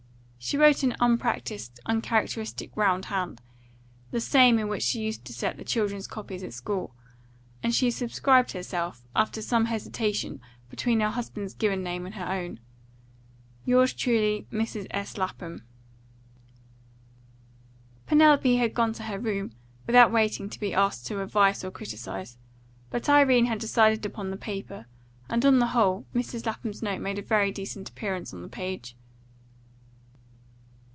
She wrote an unpractised, uncharacteristic round hand, the same in which she used to set the children's copies at school, and she subscribed herself, after some hesitation between her husband's given name and her own, "Yours truly, Mrs. S. Lapham." Penelope had gone to her room, without waiting to be asked to advise or criticise; but Irene had decided upon the paper, and on the whole, Mrs. Lapham's note made a very decent appearance on the page.